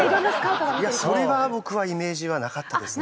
それは僕はイメージはなかったですね。